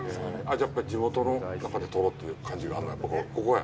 じゃあ、やっぱり地元の中で撮ろうという感じがあるのはやっぱり、ここや？